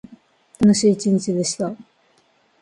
楽しい一日でした。